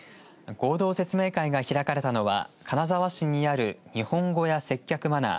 合同説明会が開かれたのは金沢市にある日本語や接客マナー